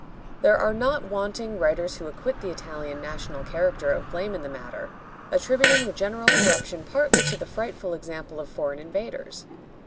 There are not wanting writers who acquit the Italian national character of blame in the matter, attributing the general corruption partly to the frightful example of foreign invaders.